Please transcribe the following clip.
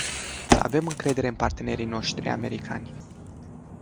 Să avem încredere în partenerii noștri americani.